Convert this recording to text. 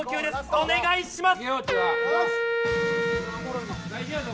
お願いします。